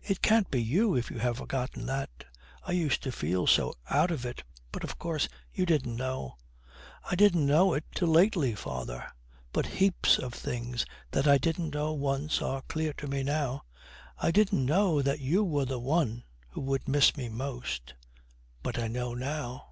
It can't be you if you have forgotten that. I used to feel so out of it; but, of course, you didn't know.' 'I didn't know it till lately, father; but heaps of things that I didn't know once are clear to me now. I didn't know that you were the one who would miss me most; but I know now.'